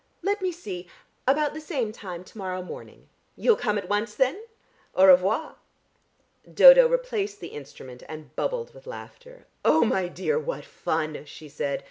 Let me see; about the same time to morrow morning. You'll come at once then? Au revoir." Dodo replaced the instrument, and bubbled with laughter. "Oh, my dear, what fun!" she said.